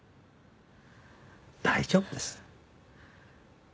大丈夫です。